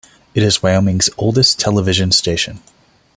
It is Wyoming's oldest television station.